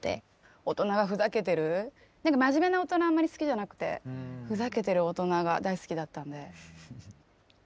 大人がふざけてる真面目な大人はあまり好きじゃなくてふざけてる大人が大好きだったので。